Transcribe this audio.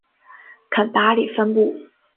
肯达里分布。